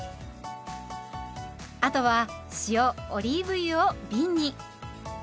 あとは塩オリーブ油をびんに。